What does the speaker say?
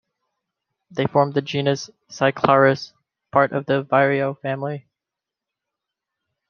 They form the genus "Cyclarhis", part of the vireo family.